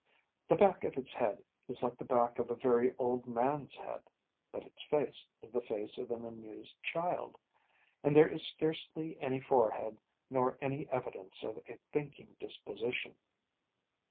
The back of its head is like the back of a very old man's head; but its face is the face of an amused child, and there is scarcely any forehead nor any evidence of a thinking disposition.